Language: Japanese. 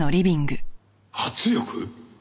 圧力？